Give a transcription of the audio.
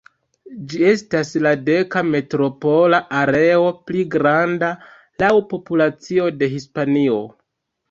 Ĝi estas la deka metropola areo pli granda laŭ populacio de Hispanio.